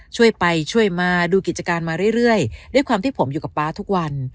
ช่วยไปช่วยมาดูกิจการมาเรื่อยด้วยความที่ผมอยู่กับป๊าทุกวัน